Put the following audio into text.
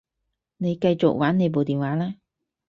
你繼續玩你部電話啦